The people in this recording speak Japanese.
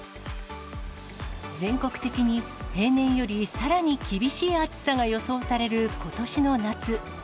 全国的に平年よりさらに厳しい暑さが予想されることしの夏。